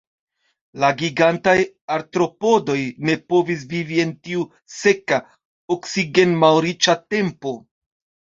La gigantaj artropodoj ne povis vivi en tiu seka, oksigen-malriĉa tempo.